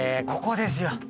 ここですよ